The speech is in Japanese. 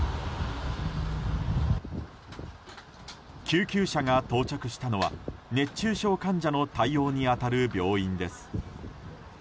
救急車が到着したのは熱中症患者の対応に当たる病院です。